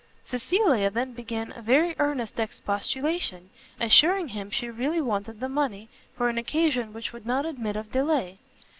Cecilia then began a very earnest expostulation, assuring him she really wanted the money, for an occasion which would not admit of delay.